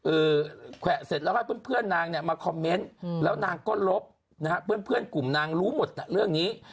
แขวะเสร็จแล้วให้เพื่อนเพื่อนนางเนี่ยมาคอมเมนต์แล้วนางก็ลบนะฮะเพื่อนเพื่อนกลุ่มนางรู้หมดเรื่องนี้